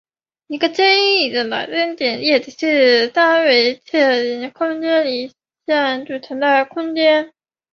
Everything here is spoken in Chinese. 一个深一点的经典例子是三维射影空间里线组成的空间。